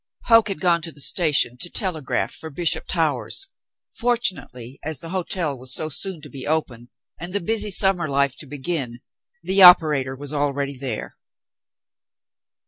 Hoke had gone to the station to telegraph for Bishop 172 David Thryng Awakes 173 Towers;' Fortunately, as the hotel was so soon to be QP^ned ^nd the busy summer life to begin, the operator was. already there.